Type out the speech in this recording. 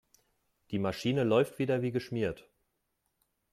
Die Maschine läuft wieder wie geschmiert.